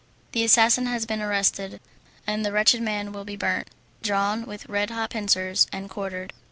The assassin has been arrested, and the wretched man will be burnt, drawn with red hot pincers, and quartered."